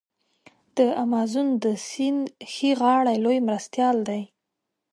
د امازون د سیند ښي غاړی لوی مرستیال دی.